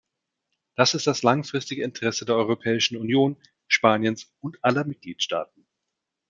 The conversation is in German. Das ist das langfristige Interesse der Europäischen Union, Spaniens und aller Mitgliedstaaten.